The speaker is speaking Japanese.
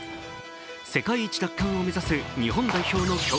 世界一奪還を目指す日本代表の強化